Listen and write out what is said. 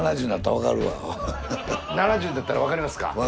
７０になったらわかりますか？